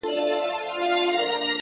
ستا د رخسار خبري ډيري ښې دي”